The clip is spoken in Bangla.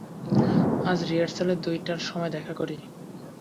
আজ রিহার্সালে, দুইটার সময় দেখা করি।